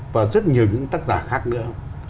và rất nhiều những tác giả khác nữa